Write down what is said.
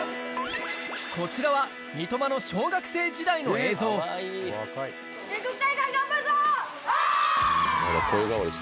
こちらは三笘の小学生時代の映像お！